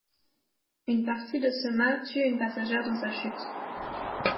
Une partie de ce mât tue une passagère dans sa chute.